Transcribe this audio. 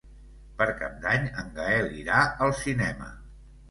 Per Cap d'Any en Gaël irà al cinema.